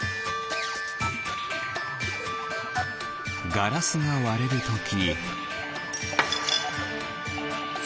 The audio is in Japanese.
ガラスがわれるとき。